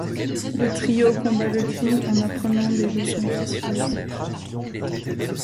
Le trio combat le crime en apprenant des leçons précieuses.